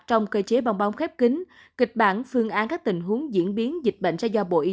cho cơ chế bong bóng khép kín kịch bản phương án các tình huống diễn biến dịch bệnh ra do bộ y